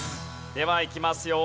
ではいきますよ。